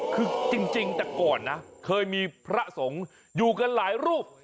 คือจริงแต่ก่อนนะเคยมีพระสงฆ์อยู่กันหลายรูป